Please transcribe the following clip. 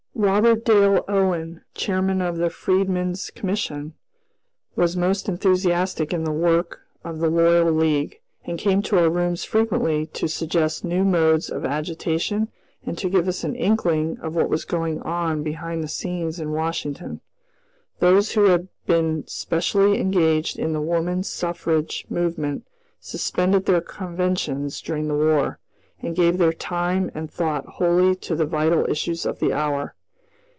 Robert Dale Owen, chairman of the Freedman's Commission, was most enthusiastic in the work of the Loyal League, and came to our rooms frequently to suggest new modes of agitation and to give us an inkling of what was going on behind the scenes in Washington. Those who had been specially engaged in the Woman Suffrage movement suspended their conventions during the war, and gave their time and thought wholly to the vital issues of the hour.